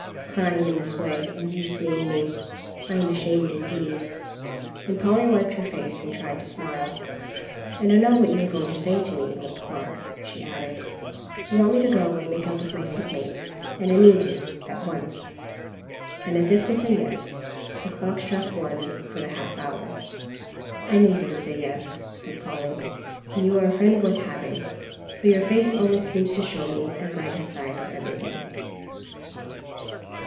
Crying in this way, and you seeing me! I^m ashamed indeed,'^ and Polly wiped her face and tried to smile. ^^And I know what you are going to say to me, old clock, she added. "You want me to go and make up with my seat mate, and I mean to, at once.^' And as if to say yes the clock struck one for the half hour. "I knew you would say yes,'' said Polly, "and you are a friend worth having, for your face always seems to show me the brightest side of everything."